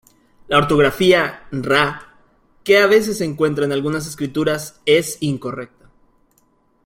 La ortografía "Rah", que a veces se encuentra en algunas escrituras, es incorrecta.